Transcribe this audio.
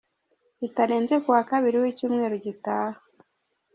Bitarenze ku wa Kabiri w’icyumweru gitaha.